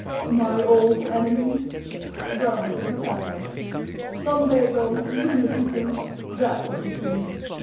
"My old enemy!" groaned the Professor. " Lumbago rheumatism that sort of thing.